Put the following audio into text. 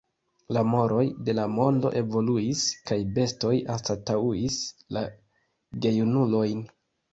La moroj de la mondo evoluis, kaj bestoj anstataŭis la gejunulojn.